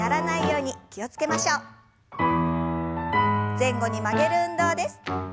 前後に曲げる運動です。